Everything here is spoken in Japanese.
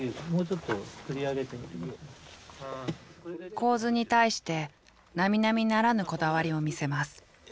構図に対してなみなみならぬこだわりを見せます。